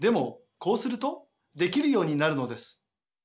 こうするとできるようになるのです。